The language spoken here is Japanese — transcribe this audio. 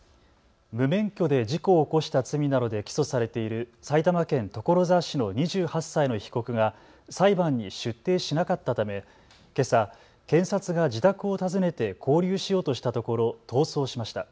無免許で事故を起こした罪などで起訴されている埼玉県所沢市の２８歳の被告が裁判に出廷しなかったためけさ、検察が自宅を訪ねて勾留しようとしたところ逃走しました。